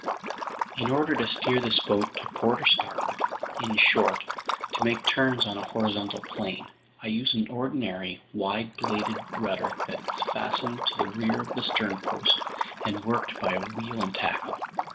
"In order to steer this boat to port or starboard, in short, to make turns on a horizontal plane, I use an ordinary, wide bladed rudder that's fastened to the rear of the sternpost and worked by a wheel and tackle.